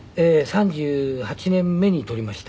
３８年目に取りました。